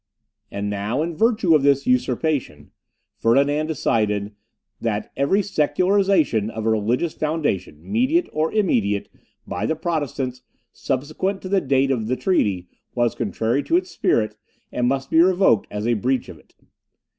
And now, in virtue of this usurpation, Ferdinand decided, "That every secularization of a religious foundation, mediate or immediate, by the Protestants, subsequent to the date of the treaty, was contrary to its spirit, and must be revoked as a breach of it."